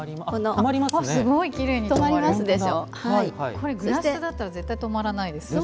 これ、グラスだったら絶対留まらないです。